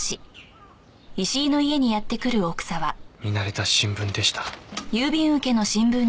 見慣れた新聞でした。